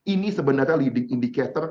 ini sebenarnya leading indicator